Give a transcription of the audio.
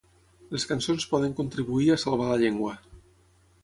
Les cançons poden contribuir a salvar la llengua.